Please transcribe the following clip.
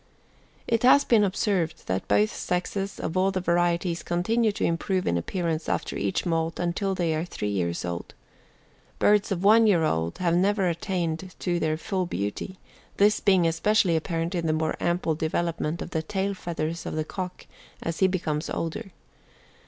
It has been observed that both sexes of all the varieties continue to improve in appearance after each moult until they are 3 years old. Birds of 1 year old have never attained to their full beauty, this being especially apparent in the more ample development of the tail feathers of the cock as he becomes older.